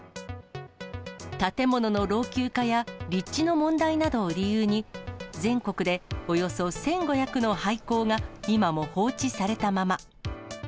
建物の老朽化や立地の問題などを理由に、全国でおよそ１５００の廃校が今も放置されたまま。